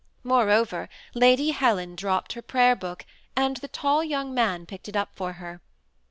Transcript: Moreover, Lady Helen dropped her prayer book, and the tall young man picked it up for her.